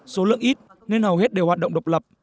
số lượng ít nên hầu hết đều hoạt động độc lập